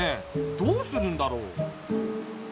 どうするんだろう？